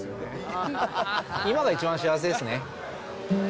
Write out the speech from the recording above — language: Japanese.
今が一番幸せですね。